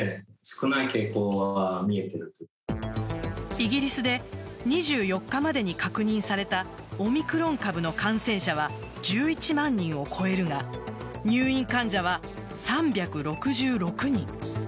イギリスで２４日までに確認されたオミクロン株の感染者は１１万人を超えるが入院患者は３６６人。